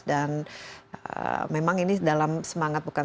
dan memang ini dalam semangat bukan